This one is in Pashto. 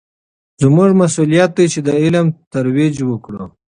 زموږ مسوولیت دی چې د علم ترویج وکړو.